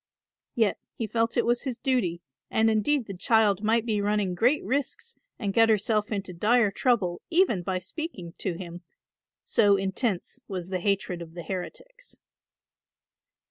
Yet he felt it was his duty and indeed the child might be running great risks and get herself into dire trouble even by speaking to him, so intense was the hatred of the heretics.